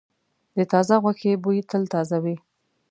د تازه غوښې بوی تل تازه وي.